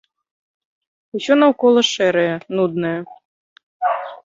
Усё наўкола шэрае, нуднае.